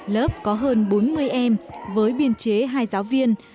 lớp có hơn bốn mươi em với biên chế hai giáo viên